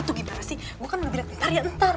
itu gimana sih gue kan udah bilang entar ya entar